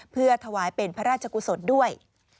เพื่อถวายเป็นพระราชกุศลด้วย